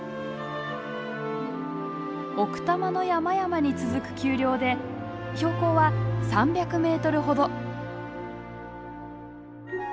奥多摩の山々に続く丘陵で標高は３００メートルほど。